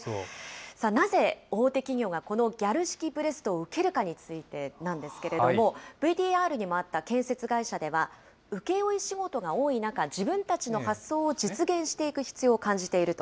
なぜ、大手企業がこのギャル式ブレストを受けるかについてなんですけれども、ＶＴＲにもあった建設会社では、請負仕事が多い中、自分たちの発想を実現していく必要を感じていると。